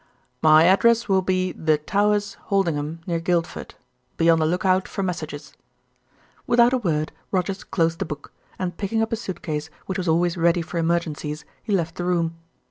"My address will be The Towers, Holdingham, near Guildford. Be on the look out for messages." Without a word Rogers closed the book and, picking up a suit case, which was always ready for emergencies, he left the room.